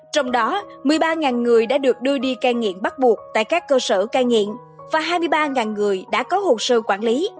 trong đó một mươi ba người đã được đưa đi cai nghiện bắt buộc tại các cơ sở cai nghiện và hai mươi ba người đã có hồ sơ quản lý